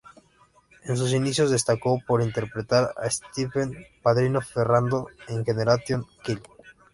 En sus inicios destacó por interpretar a Stephen "Padrino" Ferrando en "Generation Kill".